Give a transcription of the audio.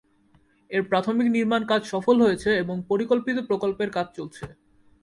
এর প্রাথমিক নির্মাণকাজ সফল হয়েছে এবং পরিকল্পিত প্রকল্পের কাজ চলছে।